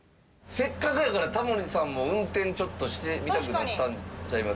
「せっかくやからタモリさんも運転ちょっとしてみたくなったんちゃいます？」